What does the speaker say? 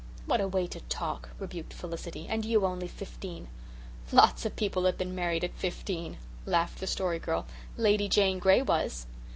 "What a way to talk," rebuked Felicity, "and you only fifteen." "Lots of people have been married at fifteen," laughed the Story Girl. "Lady Jane Gray was."